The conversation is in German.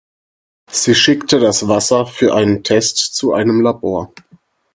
Sie schickte das Wasser für einen Test zu einem Labor.